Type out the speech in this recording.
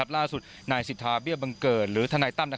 ล่าสุดนายสิทธาเบี้ยบังเกิดหรือทนายตั้ม